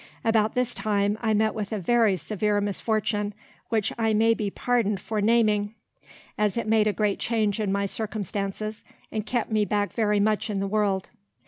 About this time I met with a very severe misfortune, which I may be pardoned for naming, as it made a great change in my circumstances, and kept me back very much in the world.